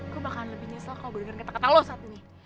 gue bakalan lebih nyesel kalo gue denger kata kata lo saat ini